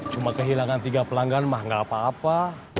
cuma kehilangan tiga pelanggan mah gak apa apa